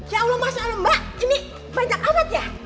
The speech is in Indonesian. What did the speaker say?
ya allah masya allah mbak ini banyak amat ya